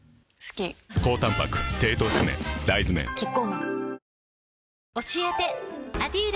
大豆麺キッコーマン